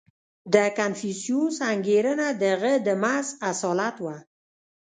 • د کنفوسیوس انګېرنه د هغه د محض اصالت وه.